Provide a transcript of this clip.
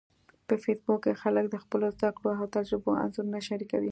په فېسبوک کې خلک د خپلو زده کړو او تجربو انځورونه شریکوي